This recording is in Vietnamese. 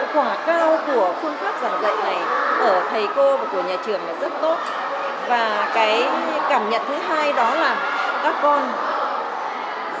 khoả cao của phương pháp giảng dạy này ở thầy cô và của nhà trường là rất tốt